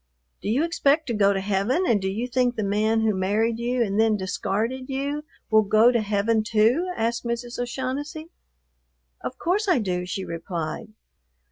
"Do you expect to go to heaven, and do you think the man who married you and then discarded you will go to heaven too?" asked Mrs. O'Shaughnessy. "Of course I do," she replied.